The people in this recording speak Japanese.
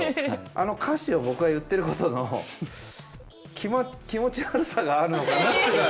あの歌詞を僕が言ってることの気持ち悪さがあるのかなっていうのは。